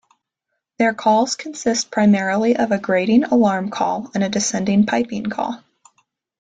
Their calls consist primarily of a grating alarm call and a descending piping call.